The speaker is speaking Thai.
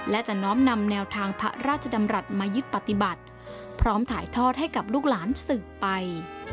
และจะน้อมนำแนวทางพระราชดำรัฐมายึดปฏิบัติพร้อมถ่ายทอดให้กับลูกหลานสืบไป